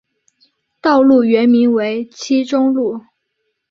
道路原名为七中路。